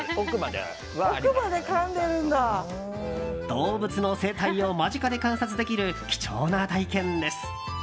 動物の生態を間近で観察できる貴重な体験です。